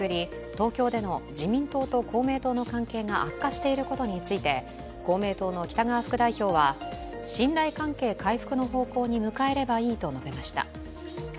東京での自民党と公明党の関係が悪化していることについて公明党の北側副代表は信頼関係回復の方向に向かえればいいと述べました。